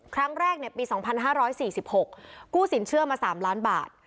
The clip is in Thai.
ครั้งแรกปี๒๕๔๖กู้สินเชื่อมา๓ล้านบาท